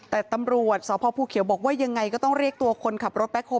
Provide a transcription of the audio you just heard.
แต่ตำรวจสพภูเขียวบอกว่ายังไงก็ต้องเรียกตัวคนขับรถแบ็คโฮ